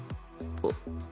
あっ。